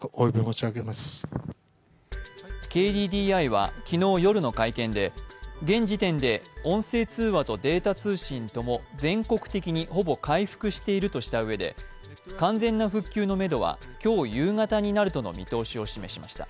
ＫＤＤＩは昨日夜の会見で現時点で音声通話とデータ通信とも全国的にほぼ回復しているとしたうえで、完全な復旧のめどは今日夕方になるとの見通しを示しました。